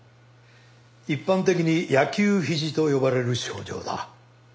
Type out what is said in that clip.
一般的に「野球肘」と呼ばれる症状だ。